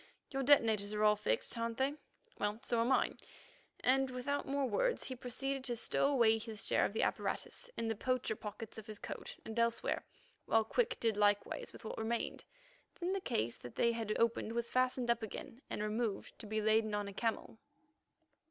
Your detonators are all fixed, aren't they? Well, so are mine," and without more words he proceeded to stow away his share of the apparatus in the poacher pockets of his coat and elsewhere, while Quick did likewise with what remained. Then the case that they had opened was fastened up again and removed to be laden on a camel.